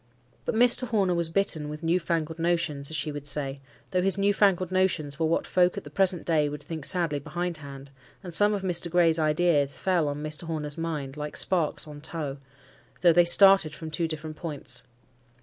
But Mr. Horner was bitten with new fangled notions, as she would say, though his new fangled notions were what folk at the present day would think sadly behindhand; and some of Mr. Gray's ideas fell on Mr. Horner's mind like sparks on tow, though they started from two different points.